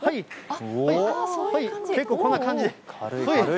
結構こんな感じでね。